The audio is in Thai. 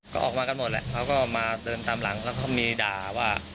ก็ออกมากันหมดแหละเขาก็มาเดินตามหลังแล้วก็มีด่าว่า